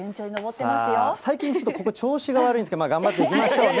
さあ、最近、ちょっと調子が悪いんですけど、頑張っていきましょうね。